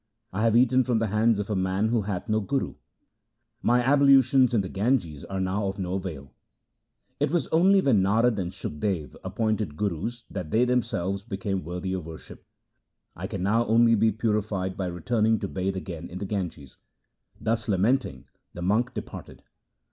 I have eaten from the hands of a man who hath no guru. My ablutions in the Ganges are now of no avail. It was only when Narad and Shukdev 1 appointed gurus that they themselves became worthy of worship. I can now only be purified by returning to bathe again in the Ganges.' Thus lamenting the monk departed.